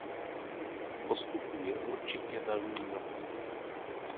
Postupů je určitě velmi mnoho.